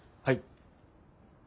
はい。